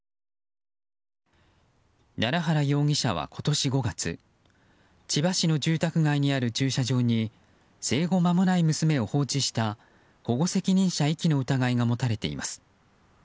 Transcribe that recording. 奈良原容疑者は今年５月千葉市の住宅街にある駐車場に生後間もない娘を放置した保護責任者遺棄の疑いが持たれています。